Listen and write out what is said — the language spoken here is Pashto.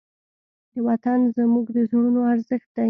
وطن زموږ د زړونو ارزښت دی.